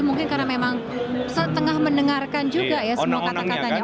mungkin karena memang setengah mendengarkan juga ya semua kata katanya